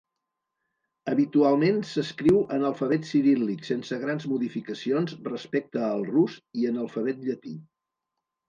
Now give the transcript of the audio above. Habitualment s'escriu en alfabet ciríl·lic sense grans modificacions respecte al rus i en alfabet llatí.